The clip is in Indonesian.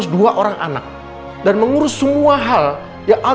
terima kasihdah backlog dihiasi kamu